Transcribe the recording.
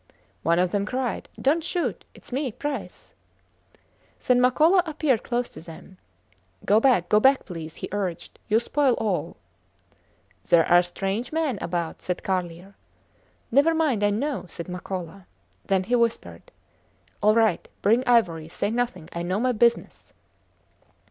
One of them cried, Dont shoot! Its me, Price. Then Makola appeared close to them. Go back, go back, please, he urged, you spoil all. There are strange men about, said Carlier. Never mind; I know, said Makola. Then he whispered, All right. Bring ivory. Say nothing! I know my business.